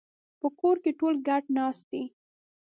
په کور کې ټول ګډ ناست دي